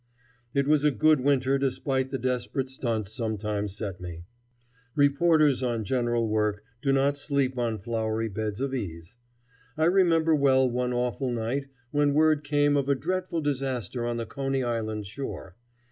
It was a good winter despite the desperate stunts sometimes set me. Reporters on general work do not sleep on flowery beds of ease. I remember well one awful night when word came of a dreadful disaster on the Coney Island shore.